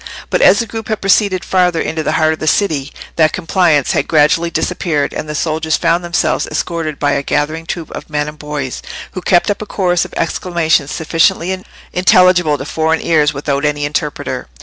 But as the group had proceeded farther into the heart of the city, that compliance had gradually disappeared, and the soldiers found themselves escorted by a gathering troop of men and boys, who kept up a chorus of exclamations sufficiently intelligible to foreign ears without any interpreter.